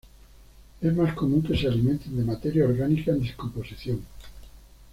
Es más común que se alimenten de materia orgánica en descomposición.